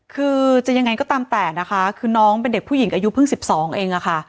คือจะยังไงก็ตามแต่นะคะคือน้องเป็นเด็กผู้หญิงอายุเพิ่ง๑๒เองอะค่ะ